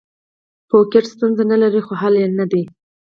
فوقیت ستونزه نه لري، خو حل نه دی.